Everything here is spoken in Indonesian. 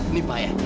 nih pak ya